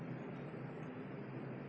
yang paling penting dalam hal ini adalah